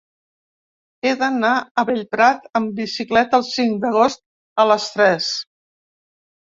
He d'anar a Bellprat amb bicicleta el cinc d'agost a les tres.